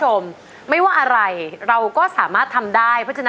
ไหว้ว่าอะไรเราก็ทำได้